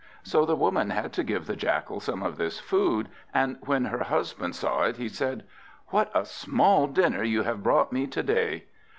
So the woman had to give the Jackal some of this food. And when her husband saw it, he said "What a small dinner you have brought me to day!"